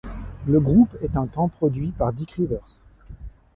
Le groupe est un temps produit par Dick Rivers.